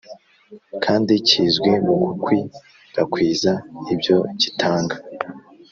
kandi kizwi mugukwi rakwiza ibyo gitanga